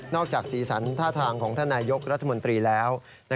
นอกจากศีรษรท่าทางของท่านายยกรัฐมนตรีแล้ว